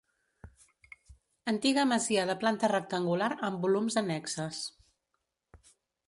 Antiga masia de planta rectangular amb volums annexes.